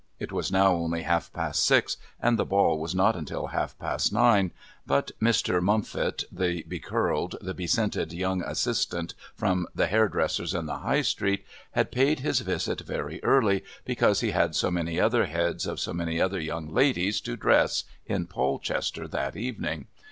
It was now only half past six and the Ball was not until half past nine, but Mr. Mumphit, the be curled, the be scented young assistant from the hairdresser's in the High Street had paid his visit very early because he had so many other heads of so many other young ladies to dress in Polchester that evening.